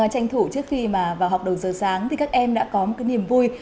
tranh thủ trước khi vào học đồ giờ sáng thì các em đã có một niềm vui